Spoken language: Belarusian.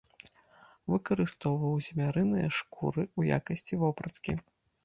Выкарыстоўваў звярыныя шкуры ў якасці вопраткі.